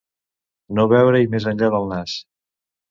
No veure-hi més enllà del nas.